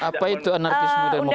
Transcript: apa itu anarkisme demokrasi itu apa